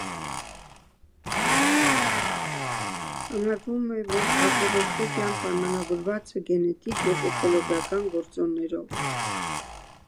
Համարվում է, որ ագորաֆոբիան պայմանավորված է գենետիկ և էկոլոգիական գործոններով։